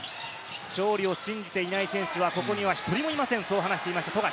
勝利を信じていない選手はここには１人もいませんと話していました、富樫。